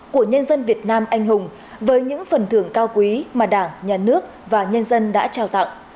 của nhân dân việt nam anh hùng với những phần thưởng cao quý mà đảng nhà nước và nhân dân đã trao tặng